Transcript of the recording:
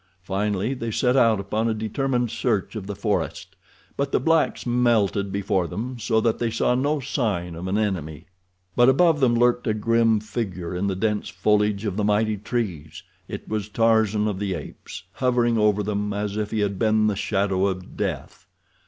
Finally they set out upon a determined search of the forest, but the blacks melted before them, so that they saw no sign of an enemy. But above them lurked a grim figure in the dense foliage of the mighty trees—it was Tarzan of the Apes, hovering over them as if he had been the shadow of death.